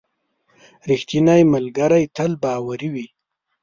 • رښتینی ملګری تل باوري وي.